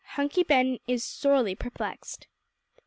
HUNKY BEN IS SORELY PERPLEXED.